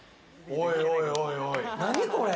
何これ！